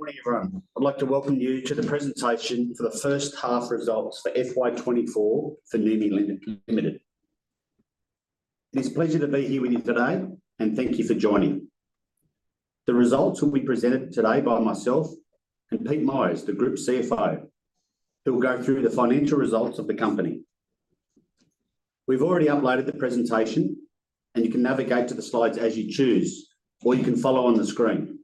Good morning, everyone. I'd like to welcome you to the presentation for the first half results for FY2024 for Noumi Limited. It is a pleasure to be here with you today, and thank you for joining. The results will be presented today by myself and Pete Myers, the Group CFO, who will go through the financial results of the company. We've already uploaded the presentation, and you can navigate to the slides as you choose, or you can follow on the screen.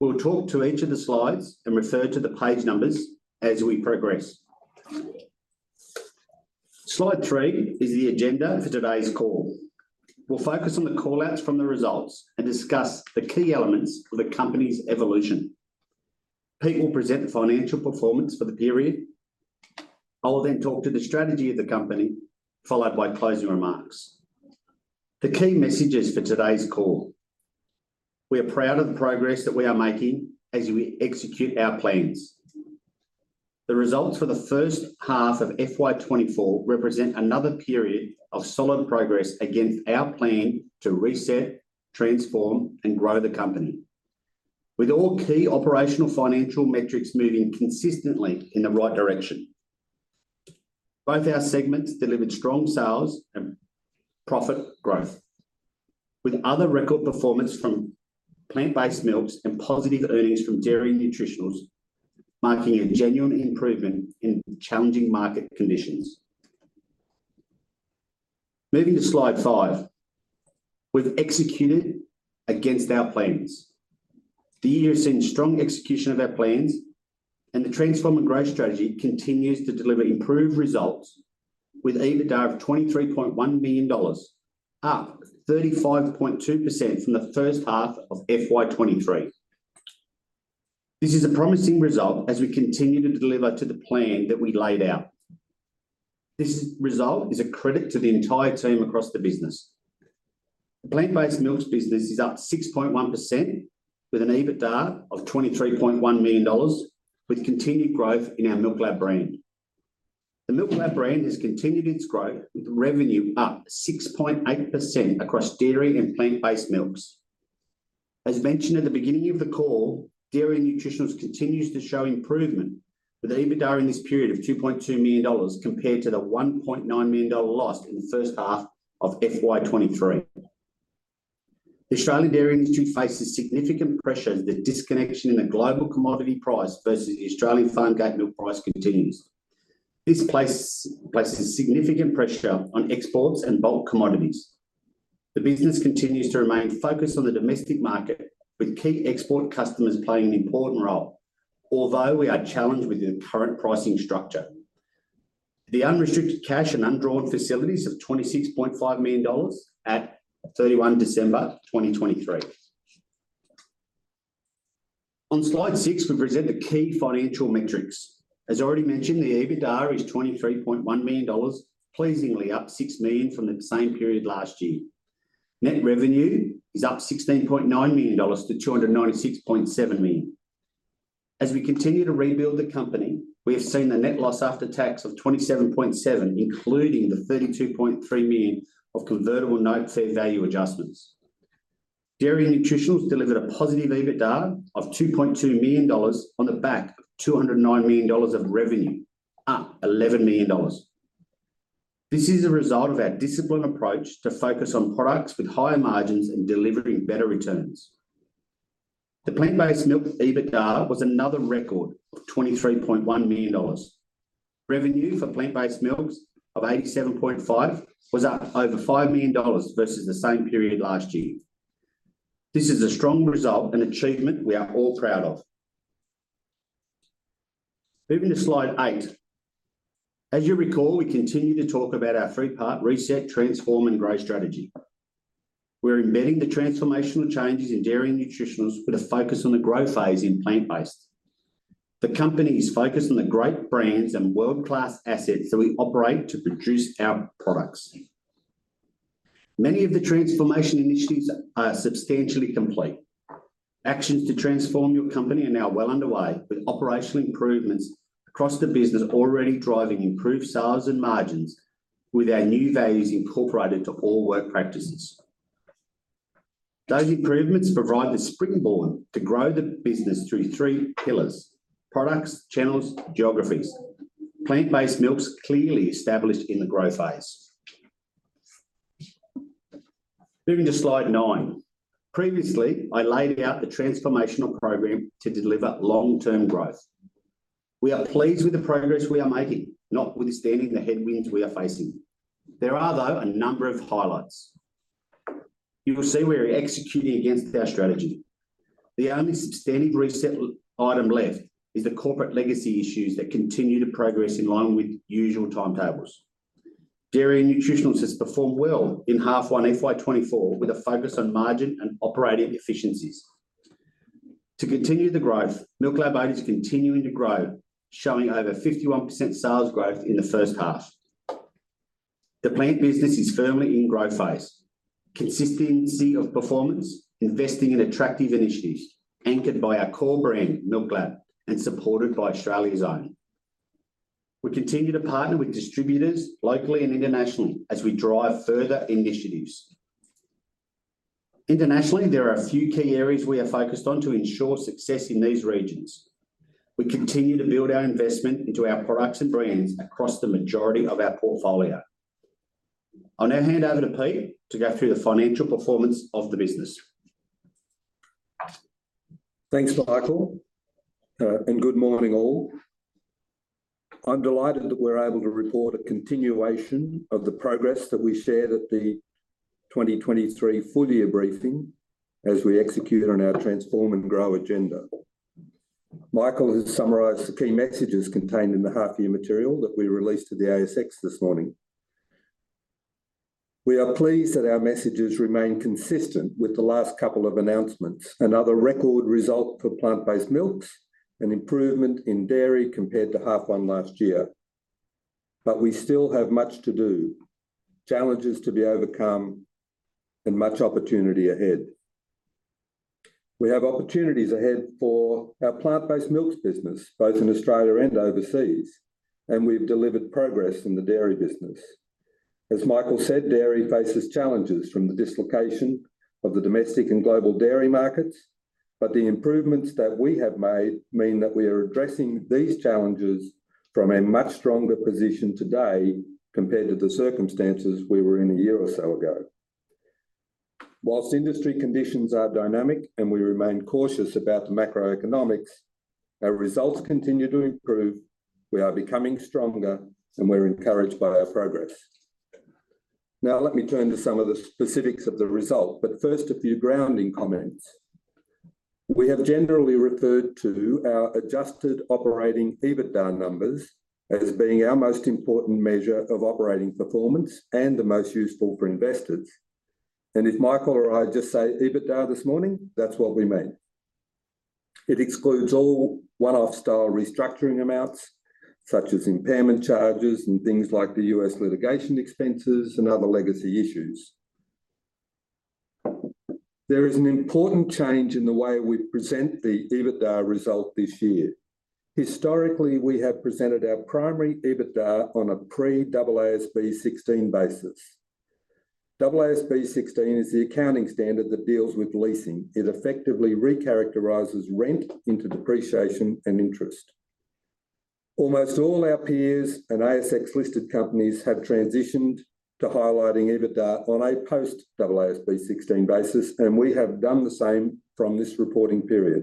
We'll talk to each of the slides and refer to the page numbers as we progress. Slide 3 is the agenda for today's call. We'll focus on the callouts from the results and discuss the key elements of the company's evolution. Pete will present the financial performance for the period. I will then talk to the strategy of the company, followed by closing remarks. The key messages for today's call: We are proud of the progress that we are making as we execute our plans. The results for the first half of FY2024 represent another period of solid progress against our plan to reset, transform, and grow the company, with all key operational financial metrics moving consistently in the right direction. Both our segments delivered strong sales and profit growth, with other record performance from plant-based milks and positive earnings from dairy nutritionals marking a genuine improvement in challenging market conditions. Moving to slide 5: We've executed against our plans. The year has seen strong execution of our plans, and the transform and growth strategy continues to deliver improved results, with EBITDA of 23,100,000 dollars, up 35.2% from the first half of FY2023. This is a promising result as we continue to deliver to the plan that we laid out. This result is a credit to the entire team across the business. The plant-based milks business is up 6.1%, with an EBITDA of 23,100,000 dollars, with continued growth in our MILKLAB brand. The MILKLAB brand has continued its growth, with revenue up 6.8% across dairy and plant-based milks. As mentioned at the beginning of the call, dairy nutritionals continues to show improvement, with EBITDA in this period of 2,200,000 dollars compared to the 1,900,000 dollar loss in the first half of FY23. The Australian Dairy Industry faces significant pressure as the disconnection in the global commodity price versus the Australian farm gate milk price continues. This places significant pressure on exports and bulk commodities. The business continues to remain focused on the domestic market, with key export customers playing an important role, although we are challenged with the current pricing structure. The unrestricted cash and undrawn facilities of 26,500,000 dollars at 31 December 2023. On slide 6, we present the key financial metrics. As already mentioned, the EBITDA is 23,100,000 dollars, pleasingly up 6,000,000 from the same period last year. Net revenue is up 16,900,000-296,700,000 dollars. As we continue to rebuild the company, we have seen the net loss after tax of 27,700,000, including the 32,300,000 of convertible note fair value adjustments. Dairy nutritionals delivered a positive EBITDA of 2,200,000 dollars on the back of 209,000,000 dollars of revenue, up 11,000,000 dollars. This is a result of our disciplined approach to focus on products with higher margins and delivering better returns. The plant-based milk EBITDA was another record of 23,100,000 dollars. Revenue for plant-based milks of 87,500,000 was up over 5,000,000 dollars versus the same period last year. This is a strong result and achievement we are all proud of. Moving to slide 8: As you recall, we continue to talk about our three-part reset, transform, and growth strategy. We are embedding the transformational changes in dairy and nutritionals with a focus on the growth phase in plant-based. The company is focused on the great brands and world-class assets that we operate to produce our products. Many of the transformation initiatives are substantially complete. Actions to transform your company are now well underway, with operational improvements across the business already driving improved sales and margins with our new values incorporated to all work practices. Those improvements provide the springboard to grow the business through three pillars: products, channels, geographies. Plant-based milks clearly established in the growth phase. Moving to slide 9: Previously, I laid out the transformational program to deliver long-term growth. We are pleased with the progress we are making, notwithstanding the headwinds we are facing. There are, though, a number of highlights. You will see we are executing against our strategy. The only substantive reset item left is the corporate legacy issues that continue to progress in line with usual timetables. Dairy and nutritionals have performed well in half one FY2024 with a focus on margin and operating efficiencies. To continue the growth, MILKLAB is continuing to grow, showing over 51% sales growth in the first half. The plant business is firmly in growth phase, consistency of performance, investing in attractive initiatives anchored by our core brand, MILKLAB, and supported by Australia's Own. We continue to partner with distributors locally and internationally as we drive further initiatives. Internationally, there are a few key areas we are focused on to ensure success in these regions. We continue to build our investment into our products and brands across the majority of our portfolio. I'll now hand over to Pete to go through the financial performance of the business. Thanks, Michael, and good morning, all. I'm delighted that we're able to report a continuation of the progress that we shared at the 2023 full year briefing as we execute on our transform and grow agenda. Michael has summarised the key messages contained in the half year material that we released to the ASX this morning. We are pleased that our messages remain consistent with the last couple of announcements: another record result for plant-based milks, an improvement in dairy compared to half one last year. But we still have much to do, challenges to be overcome, and much opportunity ahead. We have opportunities ahead for our plant-based milks business, both in Australia and overseas, and we have delivered progress in the dairy business. As Michael said, dairy faces challenges from the dislocation of the domestic and global dairy markets, but the improvements that we have made mean that we are addressing these challenges from a much stronger position today compared to the circumstances we were in a year or so ago. While industry conditions are dynamic and we remain cautious about the macroeconomics, our results continue to improve, we are becoming stronger, and we're encouraged by our progress. Now, let me turn to some of the specifics of the result, but first a few grounding comments. We have generally referred to our adjusted operating EBITDA numbers as being our most important measure of operating performance and the most useful for investors. If Michael or I just say EBITDA this morning, that's what we mean. It excludes all one-off style restructuring amounts, such as impairment charges and things like the U.S. litigation expenses and other legacy issues. There is an important change in the way we present the EBITDA result this year. Historically, we have presented our primary EBITDA on a pre-AASB 16 basis. AASB 16 is the accounting standard that deals with leasing. It effectively recharacterizes rent into depreciation and interest. Almost all our peers and ASX listed companies have transitioned to highlighting EBITDA on a post-AASB 16 basis, and we have done the same from this reporting period.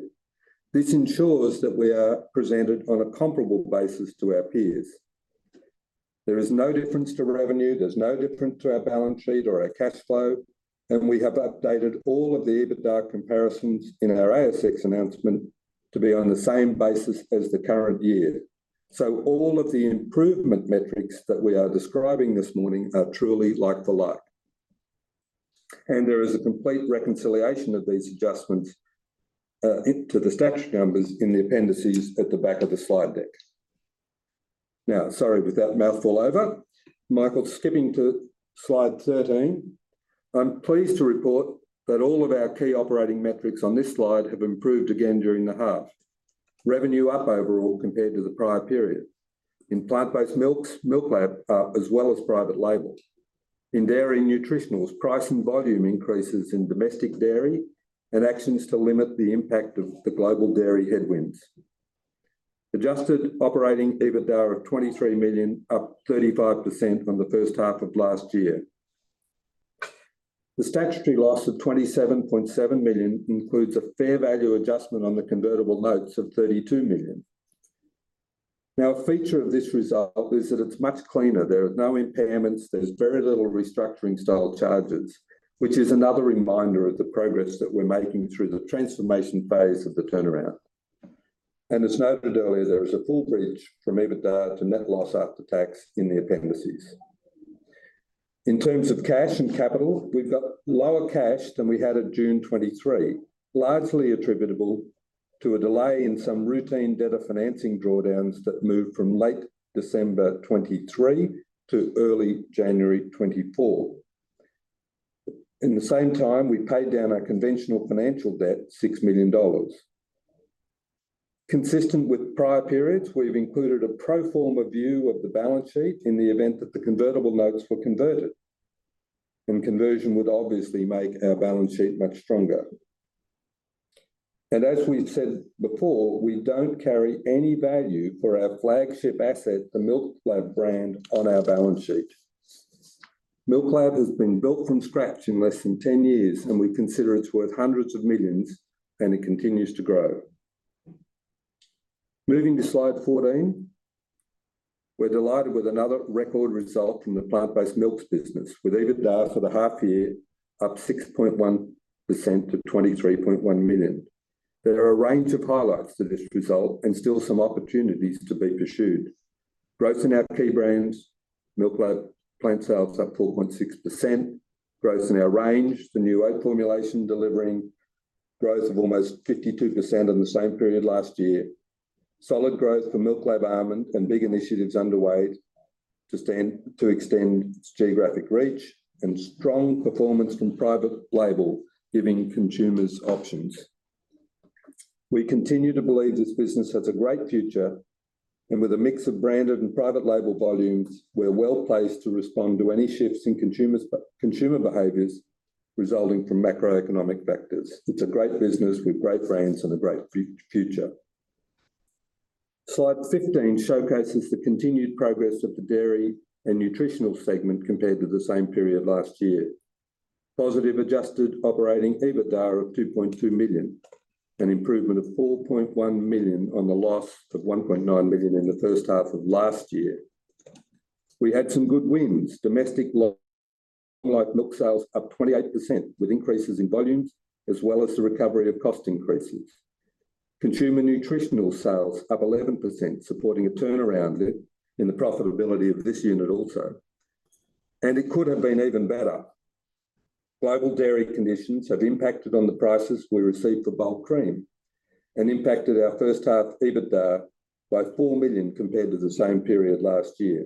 This ensures that we are presented on a comparable basis to our peers. There is no difference to revenue. There's no difference to our balance sheet or our cash flow, and we have updated all of the EBITDA comparisons in our ASX announcement to be on the same basis as the current year. So all of the improvement metrics that we are describing this morning are truly like the like. There is a complete reconciliation of these adjustments into the statutory numbers in the appendices at the back of the slide deck. Now, sorry with that mouthful over. Michael, skipping to slide 13, I'm pleased to report that all of our key operating metrics on this slide have improved again during the half: revenue up overall compared to the prior period in plant-based milks, MILKLAB, as well as private label. In dairy and nutritionals, price and volume increases in domestic dairy and actions to limit the impact of the global dairy headwinds. Adjusted operating EBITDA of 23,000,000, up 35% from the first half of last year. The statutory loss of 27,700,000 includes a fair value adjustment on the convertible notes of 32,000,000. Now, a feature of this result is that it's much cleaner. There are no impairments. There's very little restructuring style charges, which is another reminder of the progress that we're making through the transformation phase of the turnaround. And as noted earlier, there is a full bridge from EBITDA to net loss after tax in the appendices. In terms of cash and capital, we've got lower cash than we had at June 2023, largely attributable to a delay in some routine debt of financing drawdowns that moved from late December 2023 to early January 2024. In the same time, we paid down our conventional financial debt, 6,000,000 dollars. Consistent with prior periods, we've included a pro forma view of the balance sheet in the event that the convertible notes were converted, and conversion would obviously make our balance sheet much stronger. As we've said before, we don't carry any value for our flagship asset, the MILKLAB brand, on our balance sheet. MILKLAB has been built from scratch in less than 10 years, and we consider it's worth hundreds of millions AUD, and it continues to grow. Moving to slide 14, we're delighted with another record result from the plant-based milks business with EBITDA for the half year, up 6.1% to 23,100,000. There are a range of highlights to this result and still some opportunities to be pursued. Growth in our key brands, MILKLAB, plant sales up 4.6%. Growth in our range, the new oat formulation delivering growth of almost 52% on the same period last year. Solid growth for MILKLAB Almond and big initiatives underway to extend its geographic reach and strong performance from private label, giving consumers options. We continue to believe this business has a great future, and with a mix of branded and private label volumes, we're well placed to respond to any shifts in consumer behaviors resulting from macroeconomic factors. It's a great business with great brands and a great future. Slide 15 showcases the continued progress of the dairy and nutritional segment compared to the same period last year: positive adjusted operating EBITDA of 2,200,000, an improvement of 4,100,000 on the loss of 1,900,000 in the first half of last year. We had some good winds: domestic long-life milk sales up 28% with increases in volumes, as well as the recovery of cost increases. Consumer nutritional sales up 11%, supporting a turnaround in the profitability of this unit also. It could have been even better. Global dairy conditions have impacted on the prices we receive for bulk cream and impacted our first half EBITDA by 4,000,000 compared to the same period last year.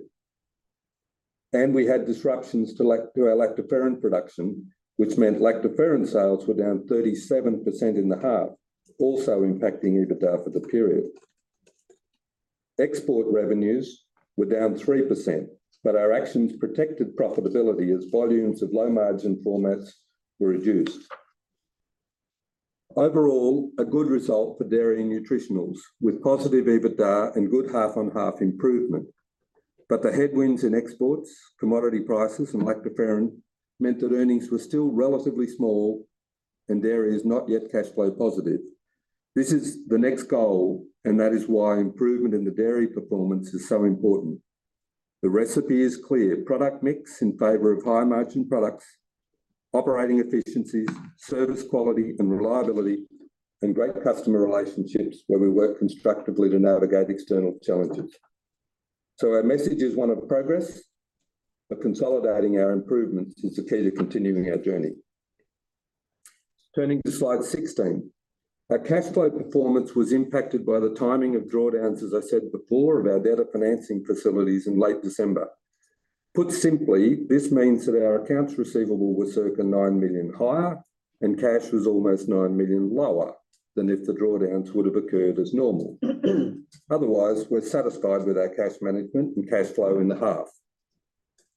We had disruptions to our Lactoferrin production, which meant Lactoferrin sales were down 37% in the half, also impacting EBITDA for the period. Export revenues were down 3%, but our actions protected profitability as volumes of low-margin formats were reduced. Overall, a good result for dairy and nutritionals, with positive EBITDA and good half-on-half improvement. But the headwinds in exports, commodity prices, and Lactoferrin meant that earnings were still relatively small and dairy is not yet cash flow positive. This is the next goal, and that is why improvement in the dairy performance is so important. The recipe is clear: product mix in favor of high-margin products, operating efficiencies, service quality and reliability, and great customer relationships where we work constructively to navigate external challenges. So our message is one of progress, but consolidating our improvements is the key to continuing our journey. Turning to slide 16, our cash flow performance was impacted by the timing of drawdowns, as I said before, of our debtor financing facilities in late December. Put simply, this means that our accounts receivable were circa 9,000,000 higher and cash was almost AUD 9,000,000n lower than if the drawdowns would have occurred as normal. Otherwise, we're satisfied with our cash management and cash flow in the half.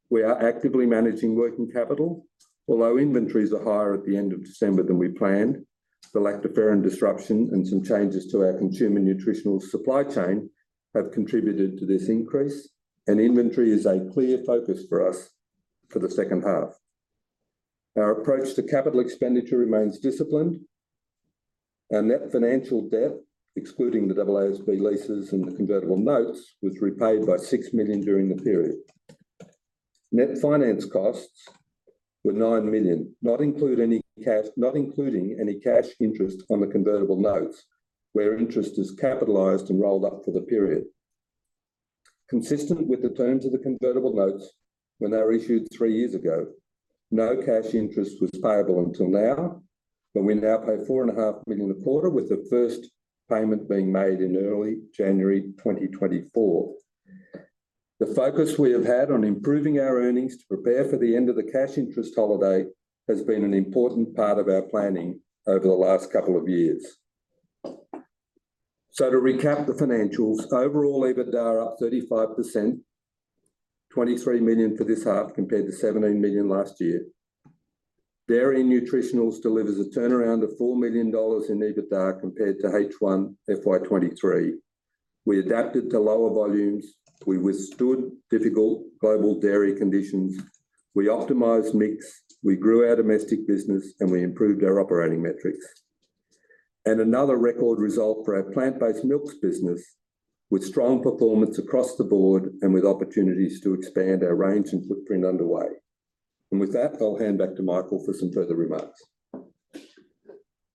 We are actively managing working capital, although inventories are higher at the end of December than we planned. The Lactoferrin disruption and some changes to our consumer nutritionals supply chain have contributed to this increase, and inventory is a clear focus for us for the second half. Our approach to capital expenditure remains disciplined. Our net financial debt, excluding the AASB leases and the convertible notes, was repaid by 6,000,000 during the period. Net finance costs were 9,000,000, not including any cash interest on the convertible notes, where interest is capitalized and rolled up for the period. Consistent with the terms of the convertible notes when they were issued three years ago, no cash interest was payable until now, but we now pay 4,500,000 a quarter, with the first payment being made in early January 2024. The focus we have had on improving our earnings to prepare for the end of the cash interest holiday has been an important part of our planning over the last couple of years. So to recap the financials, overall EBITDA are up 35%, 23,000,000 for this half compared to 17,000,000 last year. Dairy and nutritionals delivers a turnaround of 4,000,000 dollars in EBITDA compared to H1 FY23. We adapted to lower volumes. We withstood difficult global dairy conditions. We optimized mix. We grew our domestic business, and we improved our operating metrics. Another record result for our plant-based milks business with strong performance across the board and with opportunities to expand our range and footprint underway. With that, I'll hand back to Michael for some further remarks.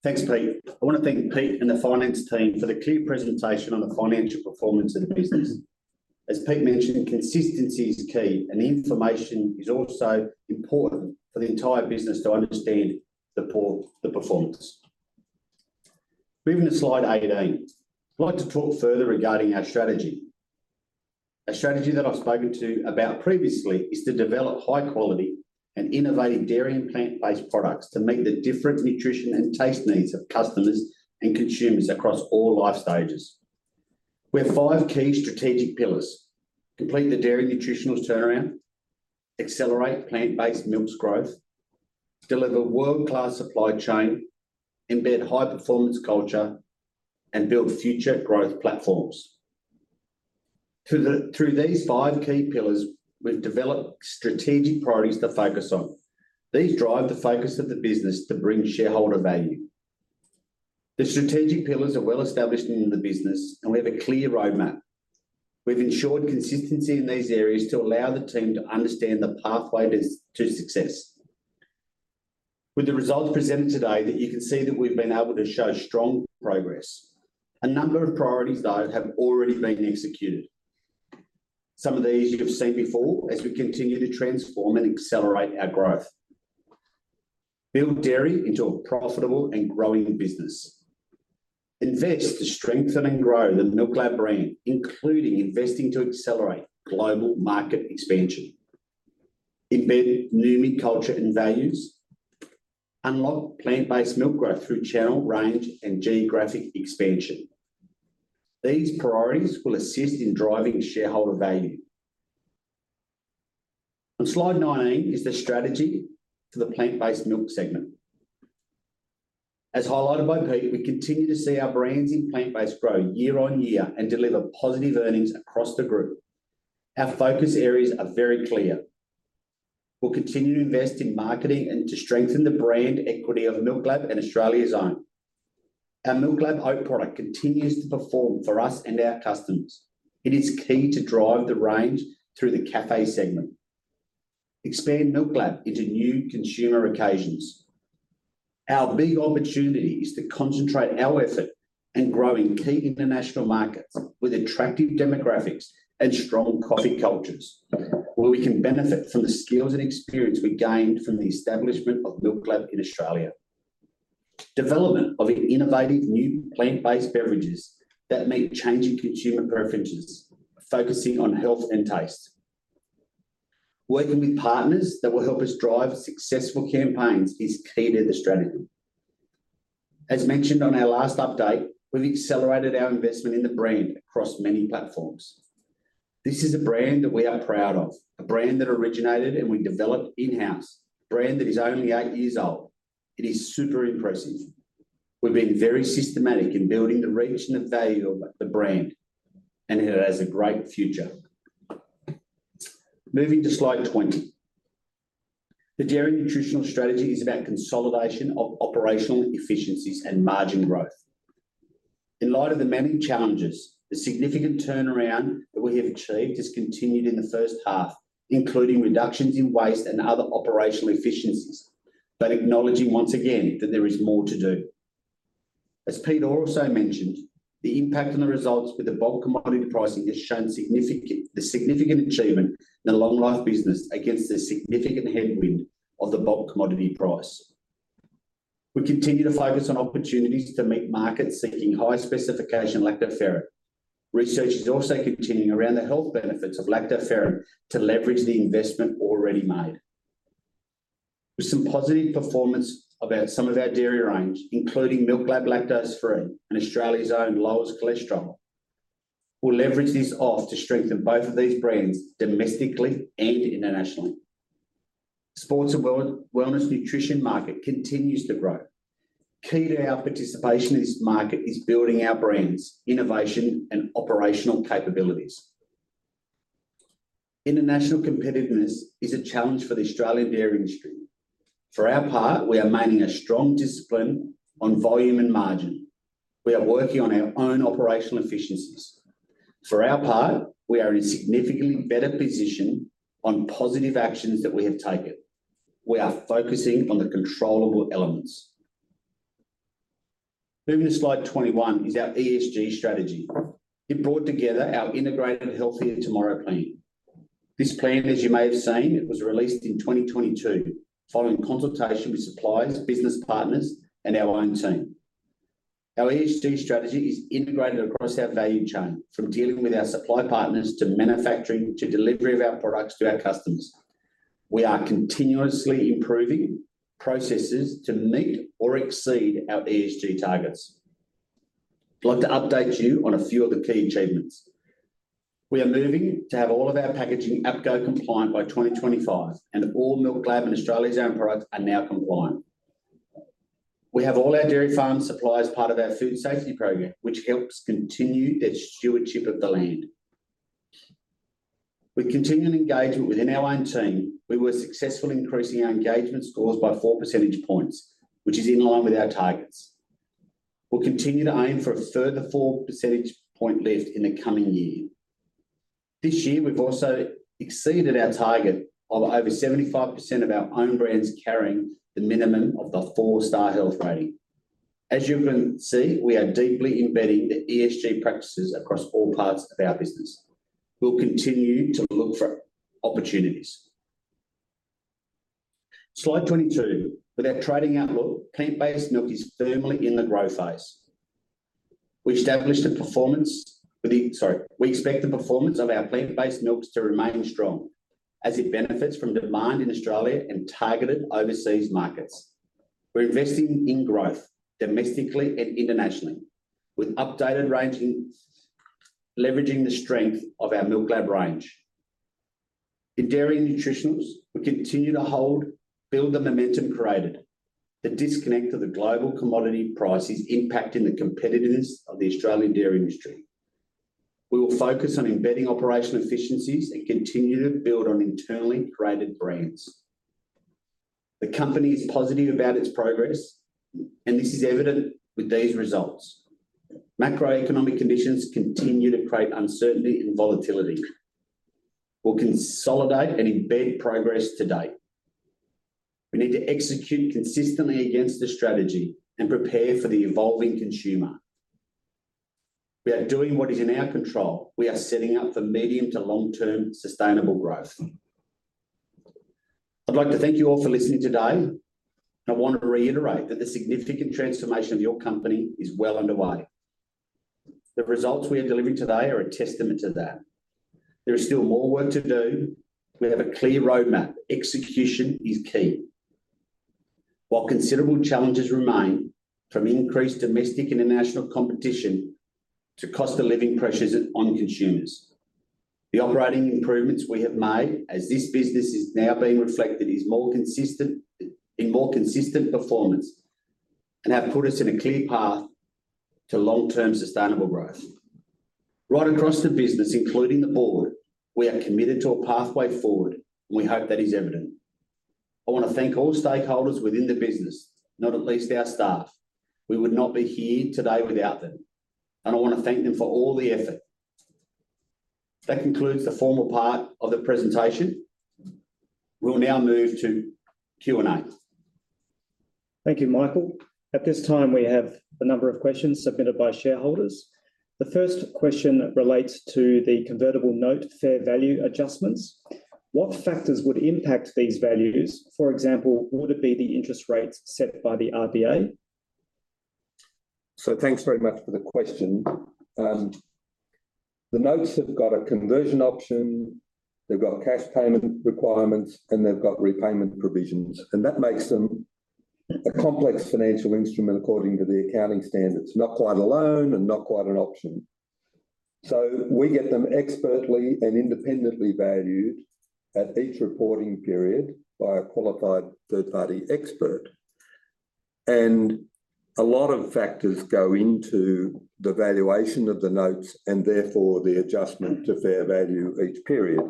Thanks, Pete. I want to thank Pete and the finance team for the clear presentation on the financial performance of the business. As Pete mentioned, consistency is key, and information is also important for the entire business to understand the performance. Moving to slide 18, I'd like to talk further regarding our strategy. A strategy that I've spoken to about previously is to develop high-quality and innovative dairy and plant-based products to meet the different nutrition and taste needs of customers and consumers across all life stages. We have five key strategic pillars: complete the dairy and nutritionals turnaround, accelerate plant-based milks growth, deliver world-class supply chain, embed high-performance culture, and build future growth platforms. Through these five key pillars, we've developed strategic priorities to focus on. These drive the focus of the business to bring shareholder value. The strategic pillars are well established in the business, and we have a clear roadmap. We've ensured consistency in these areas to allow the team to understand the pathway to success. With the results presented today, you can see that we've been able to show strong progress. A number of priorities, though, have already been executed. Some of these you've seen before as we continue to transform and accelerate our growth. Build dairy into a profitable and growing business. Invest to strengthen and grow the MILKLAB brand, including investing to accelerate global market expansion. Embed Noumi culture and values. Unlock plant-based milk growth through channel, range, and geographic expansion. These priorities will assist in driving shareholder value. On slide 19 is the strategy for the plant-based milk segment. As highlighted by Pete, we continue to see our brands in plant-based grow year on year and deliver positive earnings across the group. Our focus areas are very clear. We'll continue to invest in marketing and to strengthen the brand equity of MILKLAB and Australia's Own. Our MILKLAB Oat product continues to perform for us and our customers. It is key to drive the range through the café segment. Expand MILKLAB into new consumer occasions. Our big opportunity is to concentrate our effort and grow in key international markets with attractive demographics and strong coffee cultures, where we can benefit from the skills and experience we gained from the establishment of MILKLAB in Australia. Development of innovative new plant-based beverages that meet changing consumer preferences, focusing on health and taste. Working with partners that will help us drive successful campaigns is key to the strategy. As mentioned on our last update, we've accelerated our investment in the brand across many platforms. This is a brand that we are proud of, a brand that originated and we developed in-house, a brand that is only eight years old. It is super impressive. We've been very systematic in building the reach and the value of the brand, and it has a great future. Moving to slide 20, the dairy and nutritional strategy is about consolidation of operational efficiencies and margin growth. In light of the many challenges, the significant turnaround that we have achieved has continued in the first half, including reductions in waste and other operational efficiencies, but acknowledging once again that there is more to do. As Pete also mentioned, the impact on the results with the bulk commodity pricing has shown the significant achievement in the long-life business against the significant headwind of the bulk commodity price. We continue to focus on opportunities to meet markets seeking high-specification Lactoferrin. Research is also continuing around the health benefits of Lactoferrin to leverage the investment already made. With some positive performance about some of our dairy range, including MILKLAB lactose-free and Australia's Own lowest cholesterol, we'll leverage this off to strengthen both of these brands domestically and internationally. Sports and wellness nutrition market continues to grow. Key to our participation in this market is building our brands, innovation, and operational capabilities. International competitiveness is a challenge for the Australian dairy industry. For our part, we are maintaining a strong discipline on volume and margin. We are working on our own operational efficiencies. For our part, we are in a significantly better position on positive actions that we have taken. We are focusing on the controllable elements. Moving to slide 21 is our ESG strategy. It brought together our integrated Healthier Tomorrow plan. This plan, as you may have seen, was released in 2022 following consultation with suppliers, business partners, and our own team. Our ESG strategy is integrated across our value chain, from dealing with our supply partners to manufacturing to delivery of our products to our customers. We are continuously improving processes to meet or exceed our ESG targets. I'd like to update you on a few of the key achievements. We are moving to have all of our packaging APCO compliant by 2025, and all MILKLAB and Australia's Own products are now compliant. We have all our dairy farm supplies part of our food safety program, which helps continue their stewardship of the land. With continuing engagement within our own team, we were successful in increasing our engagement scores by four percentage points, which is in line with our targets. We'll continue to aim for a further four percentage point lift in the coming year. This year, we've also exceeded our target of over 75% of our own brands carrying the minimum of the four-star health rating. As you can see, we are deeply embedding the ESG practices across all parts of our business. We'll continue to look for opportunities. Slide 22, with our trading outlook, plant-based milk is firmly in the growth phase. We expect the performance of our plant-based milks to remain strong as it benefits from demand in Australia and targeted overseas markets. We're investing in growth domestically and internationally, with updated ranges leveraging the strength of our MILKLAB range. In dairy and nutritionals, we continue to build the momentum created, the disconnect of the global commodity prices impacting the competitiveness of the Australian dairy industry. We will focus on embedding operational efficiencies and continue to build on internally created brands. The company is positive about its progress, and this is evident with these results. Macroeconomic conditions continue to create uncertainty and volatility. We'll consolidate and embed progress to date. We need to execute consistently against the strategy and prepare for the evolving consumer. We are doing what is in our control. We are setting up for medium to long-term sustainable growth. I'd like to thank you all for listening today, and I want to reiterate that the significant transformation of your company is well underway. The results we are delivering today are a testament to that. There is still more work to do. We have a clear roadmap. Execution is key. While considerable challenges remain, from increased domestic and international competition to cost of living pressures on consumers, the operating improvements we have made as this business is now being reflected in more consistent performance have put us in a clear path to long-term sustainable growth. Right across the business, including the board, we are committed to a pathway forward, and we hope that is evident. I want to thank all stakeholders within the business, not least our staff. We would not be here today without them, and I want to thank them for all the effort. That concludes the formal part of the presentation. We'll now move to Q&A. Thank you, Michael. At this time, we have a number of questions submitted by shareholders. The first question relates to the convertible note fair value adjustments. What factors would impact these values? For example, would it be the interest rates set by the RBA? Thanks very much for the question. The notes have got a conversion option. They've got cash payment requirements, and they've got repayment provisions. That makes them a complex financial instrument according to the accounting standards, not quite a loan and not quite an option. We get them expertly and independently valued at each reporting period by a qualified third-party expert. A lot of factors go into the valuation of the notes and therefore the adjustment to fair value each period,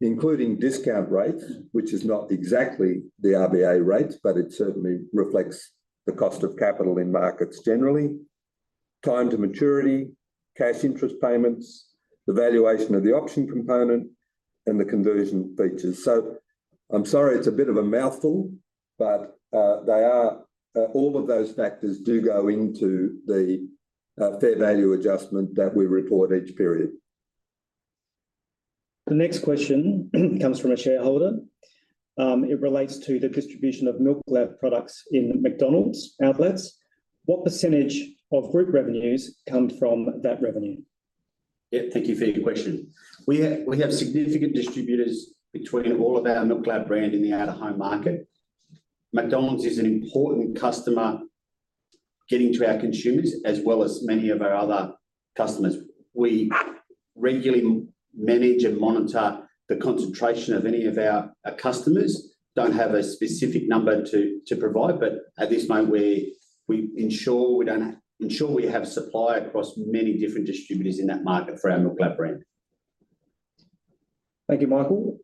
including discount rates, which is not exactly the RBA rates, but it certainly reflects the cost of capital in markets generally, time to maturity, cash interest payments, the valuation of the option component, and the conversion features. I'm sorry it's a bit of a mouthful, but all of those factors do go into the fair value adjustment that we report each period. The next question comes from a shareholder. It relates to the distribution of MILKLAB products in McDonald's outlets. What percentage of group revenues come from that revenue? Yeah, thank you for your question. We have significant distributors between all of our MILKLAB brand in the out-of-home market. McDonald's is an important customer getting to our consumers as well as many of our other customers. We regularly manage and monitor the concentration of any of our customers. Don't have a specific number to provide, but at this moment, we ensure we have supply across many different distributors in that market for our MILKLAB brand. Thank you, Michael.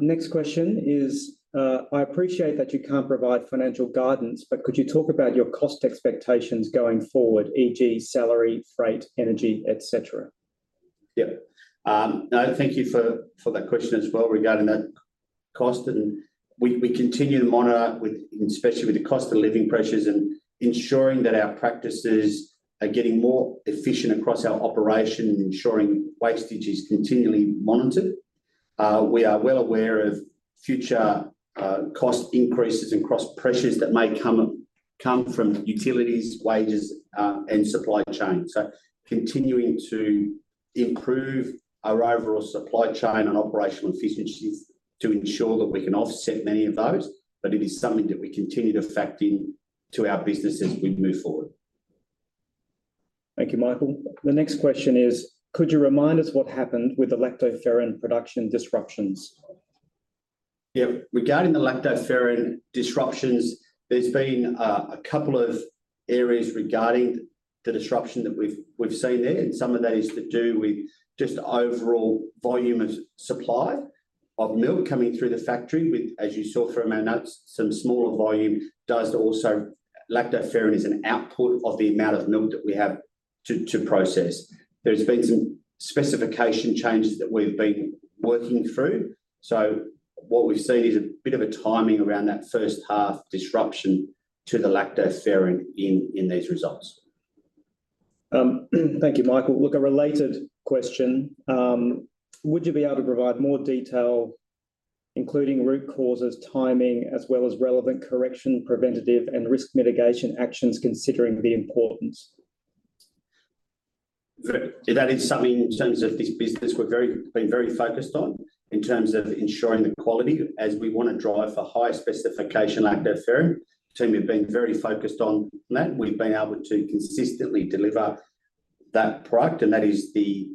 Next question is, I appreciate that you can't provide financial guidance, but could you talk about your cost expectations going forward, e.g., salary, freight, energy, etc.? Yeah. No, thank you for that question as well regarding that cost. We continue to monitor, especially with the cost of living pressures, and ensuring that our practices are getting more efficient across our operation and ensuring wastage is continually monitored. We are well aware of future cost increases and cost pressures that may come from utilities, wages, and supply chain. Continuing to improve our overall supply chain and operational efficiencies to ensure that we can offset many of those, but it is something that we continue to factor into our business as we move forward. Thank you, Michael. The next question is, could you remind us what happened with the Lactoferrin production disruptions? Yeah. Regarding the Lactoferrin disruptions, there's been a couple of areas regarding the disruption that we've seen there, and some of that is to do with just overall volume of supply of milk coming through the factory. As you saw from our notes, some smaller volume does also Lactoferrin is an output of the amount of milk that we have to process. There's been some specification changes that we've been working through. So what we've seen is a bit of a timing around that first-half disruption to the Lactoferrin in these results. Thank you, Michael. Look, a related question. Would you be able to provide more detail, including root causes, timing, as well as relevant correction, preventative, and risk mitigation actions considering the importance? That is something in terms of this business we've been very focused on in terms of ensuring the quality. As we want to drive for high-specification Lactoferrin, Tim, we've been very focused on that. We've been able to consistently deliver that product, and that is the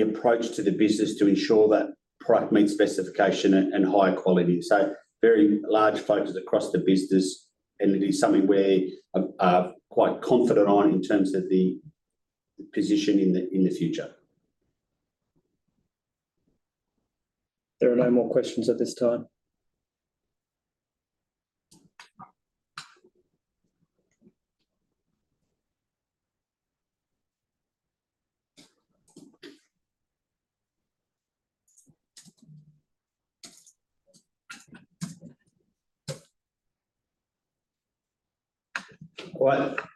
approach to the business to ensure that product meets specification and high quality. So very large focus across the business, and it is something we're quite confident on in terms of the position in the future. There are no more questions at this time.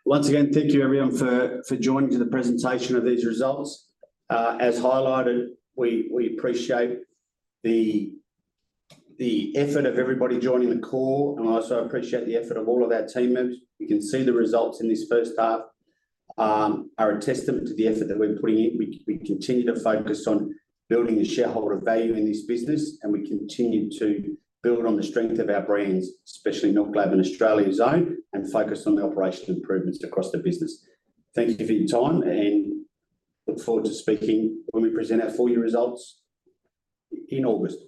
Once again, thank you, everyone, for joining to the presentation of these results. As highlighted, we appreciate the effort of everybody joining the call, and I also appreciate the effort of all of our team members. You can see the results in this first half are a testament to the effort that we're putting in. We continue to focus on building the shareholder value in this business, and we continue to build on the strength of our brands, especially MILKLAB and Australia's Own, and focus on the operational improvements across the business. Thank you for your time, and look forward to speaking when we present our full year results in August.